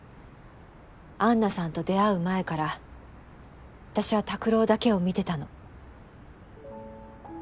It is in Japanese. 安奈さんと出会う前から私は拓郎だけを見てたの。